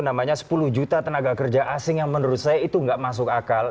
namanya sepuluh juta tenaga kerja asing yang menurut saya itu nggak masuk akal